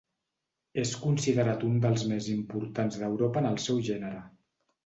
És considerat un dels més importants d'Europa en el seu gènere.